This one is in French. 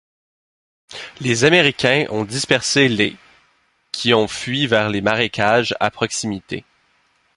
Les Américains ont dispersé les ' qui ont fui vers les marécages à proximité.